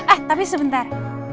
eh tapi sebentar